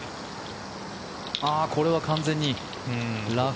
これは完全にラフ。